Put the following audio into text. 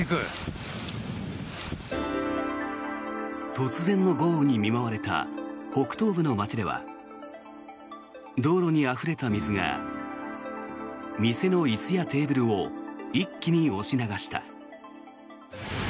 突然の豪雨に見舞われた北東部の街では道路にあふれた水が店の椅子やテーブルを一気に押し流した。